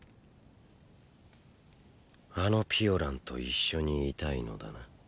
あのピオランと一緒にいたいのだな。